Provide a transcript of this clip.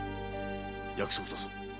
約束だぞ。